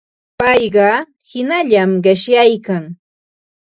Payqa hinallami qishyaykan.